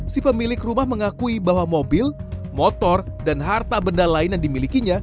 si pemilik rumah mengakui bahwa mobil motor dan harta benda lain yang dimilikinya